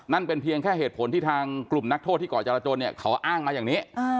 นั่นเป็นเพียงแค่เหตุผลที่ทางกลุ่มนักโทษที่ก่อจรจนเนี่ยเขาอ้างมาอย่างนี้